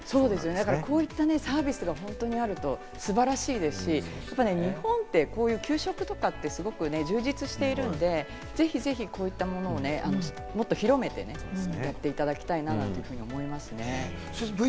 こういったサービスが本当にあると素晴らしいですし、日本ってこういう給食とかってすごく充実しているので、ぜひこういったものをもっと広めてやっていただきたいなというふうに思いますね。